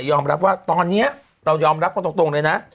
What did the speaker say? ยอมรับว่าตอนนี้เรายอมรับกันตรงเลยนะ